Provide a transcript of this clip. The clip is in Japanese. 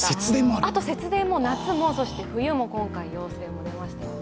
あと節電も夏も冬も今回、要請が出ましたよね。